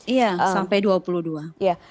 iya sampai dua puluh dua